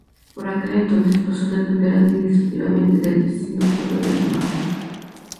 Por aquel entonces pasó a depender administrativamente del vecino pueblo de Tamajón.